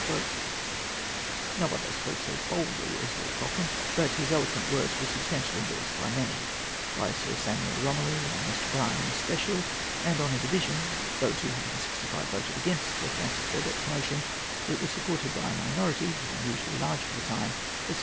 No other speaker spoke so boldly as Lord Cochrane; but his eloquent words were substantially endorsed by many; by Sir Samuel Romilly and Mr. Brougham in especial; and on a division, though 265 voted against Sir Francis Burdett's motion, it was supported by a minority—unusually large for the time—of 77.